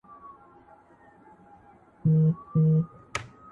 o سوال دي وایه په لېمو کي په لېمو یې جوابومه.